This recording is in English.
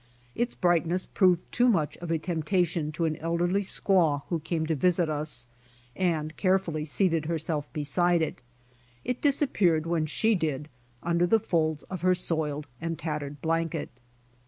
Its brightness proved too much of a temptation to an elderly squaw who came to visit us, and carefully seated herself beside it It disap peared when she did under the folds of her soiled and tattered blanket.